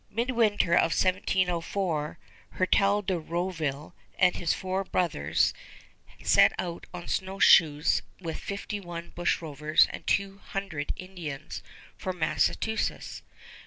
Midwinter of 1704 Hertel de Rouville and his four brothers set out on snowshoes with fifty one bushrovers and two hundred Indians for Massachusetts.